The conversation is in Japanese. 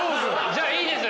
じゃあいいです。